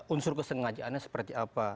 unsur kesengajaannya seperti apa